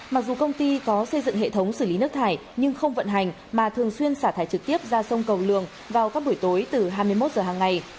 mặc dù công ty có xây dựng hệ thống xử lý nước thải nhưng không vận hành mà thường xuyên xả thải trực tiếp ra sông cầu lường vào các buổi tối từ hai mươi một giờ hàng ngày